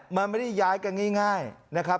มันไม่ได้ย้ายกันง่ายนะครับ